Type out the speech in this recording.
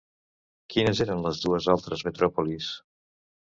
Quines eren les dues altres metròpolis?